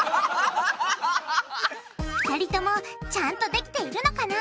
２人ともちゃんとできているのかな？